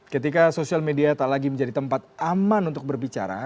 ketika sosial media tak lagi menjadi tempat aman untuk berbicara